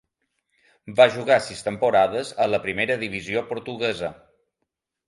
Va jugar sis temporades a la primera divisió portuguesa.